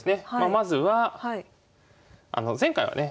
まずは前回はね